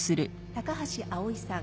高橋葵さん。